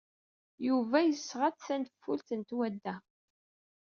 Yuba yesɣa-d tanfult n twadda.